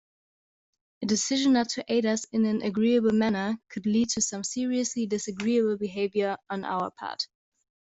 A decision not to aid us in an agreeable manner could lead to some seriously disagreeable behaviour on our part.